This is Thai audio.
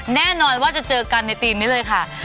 แน่นอนว่าจะเจอกันในปีนี้เลยค่ะ